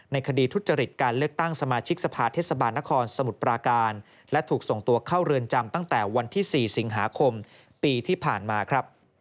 ในคดีทุจริตการเลือกตั้งสมาชิกสภาทเทศบาลนครสมุดปราการ